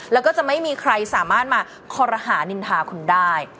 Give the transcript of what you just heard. แล้วก็จะไม่มีใครสามารถมาคอรหานินทาคุณได้